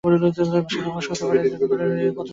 সে প্রকাশ করতে লাগল যে, এসব জাদু ব্যতীত অন্য কিছু নয়।